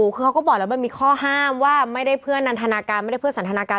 คือเขาก็บอกแล้วมันมีข้อห้ามว่าไม่ได้เพื่อนันทนาการไม่ได้เพื่อสันทนาการ